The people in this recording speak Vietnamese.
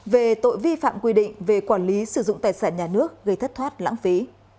về tội vi phạm quy định về quản lý sử dụng tài sản nhà nước gây thất thoát lãng phí